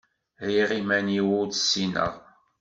Rriɣ iman-iw ur tt-ssineɣ.